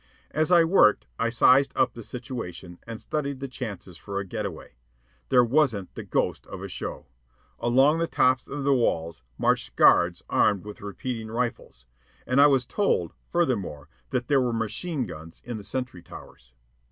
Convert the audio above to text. As I worked I sized up the situation and studied the chances for a get away. There wasn't the ghost of a show. Along the tops of the walls marched guards armed with repeating rifles, and I was told, furthermore, that there were machine guns in the sentry towers.